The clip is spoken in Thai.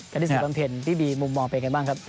การที่สูงประเภทพี่บีมุมมองเป็นยังไงบ้างครับ